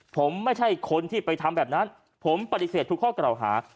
ผมไม่ใช่คนที่ไปทำแบบนั้นผมปฏิเสธทุกข้อกล่าวหา